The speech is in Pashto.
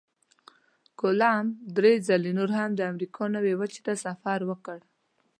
کولمب درې ځلې نور هم د امریکا نوي وچې ته سفر وکړ.